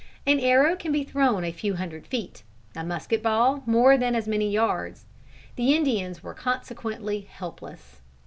An arrow can be thrown a few hundred feet, a musket ball more than as many yards. The Indians were consequently helpless.